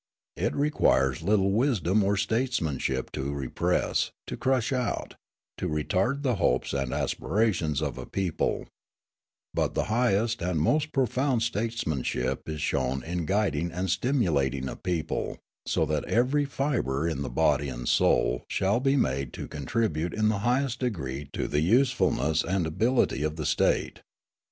It requires little wisdom or statesmanship to repress, to crush out, to retard the hopes and aspirations of a people; but the highest and most profound statesmanship is shown in guiding and stimulating a people, so that every fibre in the body and soul shall be made to contribute in the highest degree to the usefulness and ability of the State.